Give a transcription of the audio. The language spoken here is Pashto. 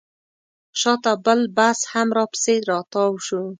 شاته بل بس هم راپسې راتاو شو.